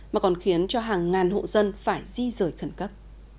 mà còn khiến cho hàng ngàn hộ dân phải di rời khẩn cấp